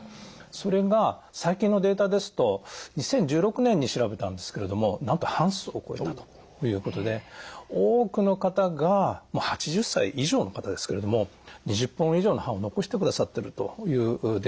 それが最近のデータですと２０１６年に調べたんですけれどもなんと半数を超えたということで多くの方が８０歳以上の方ですけれども２０本以上の歯を残してくださってるというデータが出ております。